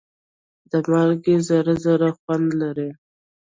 د مالګې ذره ذره خوند لري.